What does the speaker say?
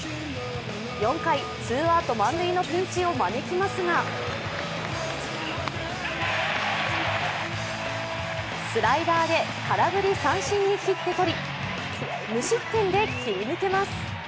４回、ツーアウト満塁のピンチを招きますがスライダーで空振り三振に切って取り無失点で切り抜けます。